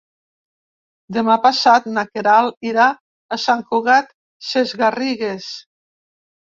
Demà passat na Queralt irà a Sant Cugat Sesgarrigues.